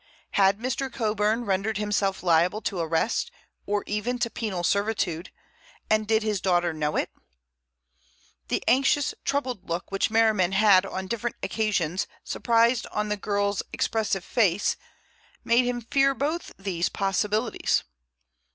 Had Mr. Coburn rendered himself liable to arrest or even to penal servitude, and did his daughter know it? The anxious, troubled look which Merriman had on different occasions surprised on the girl's expressive face made him fear both these possibilities.